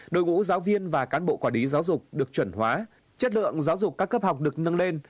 đội ngũ giáo viên và cán bộ quản lý giáo dục được chuẩn hóa chất lượng giáo dục các cấp học được nâng lên